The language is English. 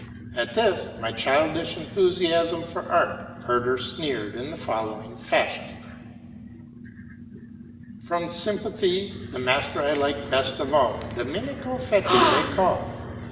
At this, my childish enthusiasm for art, Herder sneered in the following fashion :— ""From sympathy, The master I like best of all Dominico Feti they call.